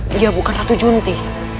dia bukan ratu junti